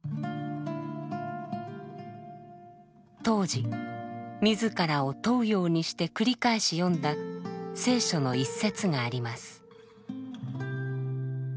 当時自らを問うようにして繰り返し読んだ聖書の一節があります。